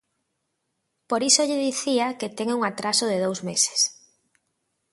Por iso lle dicía que ten un atraso de dous meses.